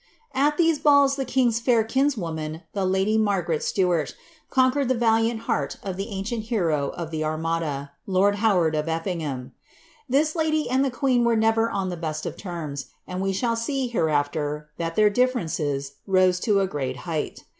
At ibese balls Hie Idog's fair kurno man, ihe lady Margarel Stuart, cnnquered the valianl heaTt of Uio u cieni Kero of llic Armada, lord Howard of EHingharu. Tliia Mj mi the qimen were never on ilie best of terms, and we shall see, henftir. that ilieir differences rose lo a great height.